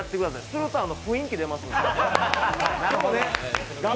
すると雰囲気出ますんで。